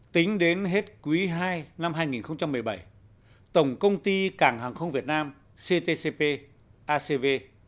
tính đến hết quý ii năm hai nghìn một mươi bảy tổng công ty cảng hàng không việt nam ctcp acv